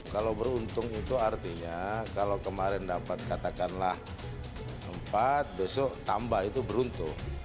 kalau beruntung itu artinya kalau kemarin dapat katakanlah empat besok tambah itu beruntung